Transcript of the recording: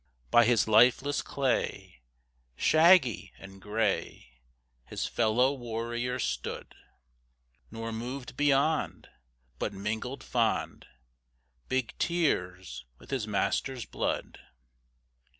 By his lifeless clay, Shaggy and gray, His fellow warrior stood; Nor moved beyond, But mingled fond Big tears with his master's blood.